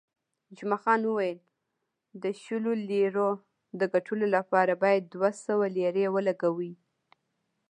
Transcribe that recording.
جمعه خان وویل، د شلو لیرو د ګټلو لپاره باید دوه سوه لیرې ولګوې.